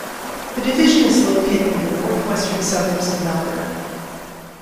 The division is located in the north-western suburbs of Melbourne.